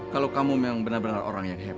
kalau kamu memang benar benar orang yang happ